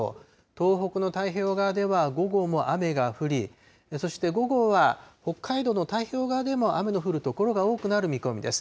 東北の太平洋側では午後も雨が降り、そして午後は北海道の太平洋側でも雨の降る所が多くなる見込みです。